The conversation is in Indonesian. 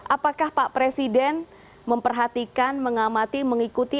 apakah pak presiden memperhatikan mengamati mengikuti